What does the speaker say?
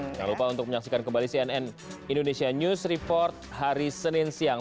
jangan lupa untuk menyaksikan kembali cnn indonesia news report hari senin siang